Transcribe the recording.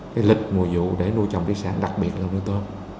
cái lịch mùa vụ để nuôi trồng thủy sản đặc biệt là nuôi tôm